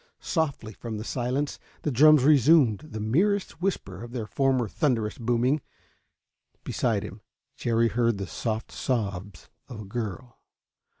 Softly, from the silence, the drums resumed the merest whisper of their former thunderous booming. Beside him. Jerry heard the soft sobs of a girl.